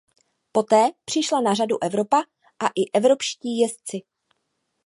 Poté přišla na řadu Evropa a i evropští jezdci.